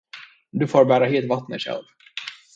Du får bära hit vattnet själv.